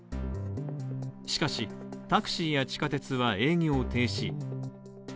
しかし、タクシーや地下鉄は営業停止。